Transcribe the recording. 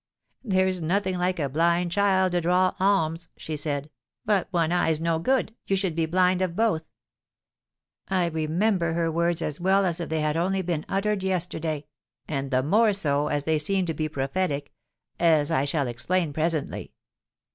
'There's nothing like a blind child to draw alms,' she said: 'but one eye's no good—you should be blind of both.'—I remember her words as well as if they had only been uttered yesterday; and, the more so, as they seemed to be prophetic—as I shall explain presently.